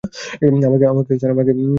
আমাকেও, স্যার।